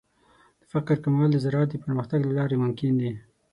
د فقر کمول د زراعت د پرمختګ له لارې ممکن دي.